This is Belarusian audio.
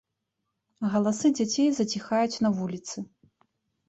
Галасы дзяцей заціхаюць на вуліцы.